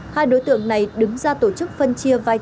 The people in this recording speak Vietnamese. hai đối tượng này đứng ra tổ chức phân chia vai trò phần viên